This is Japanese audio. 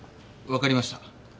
わかりました。